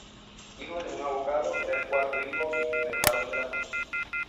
Hijo de un abogado, era el cuarto hijo y primer varón de la familia.